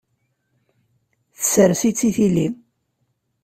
Tessers-itt i tili.